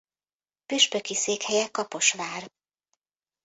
Püspöki székhelye Kaposvár.